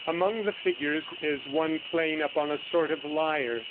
Among the figures is one playing upon a sort of lyre.